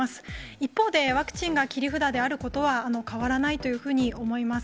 一方で、ワクチンが切り札であることは変わらないというふうに思います。